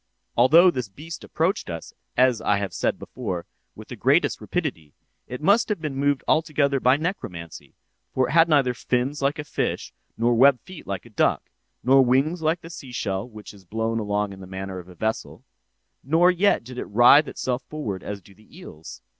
"'Although this beast approached us, as I have before said, with the greatest rapidity, it must have been moved altogether by necromancy—for it had neither fins like a fish nor web feet like a duck, nor wings like the seashell which is blown along in the manner of a vessel; nor yet did it writhe itself forward as do the eels.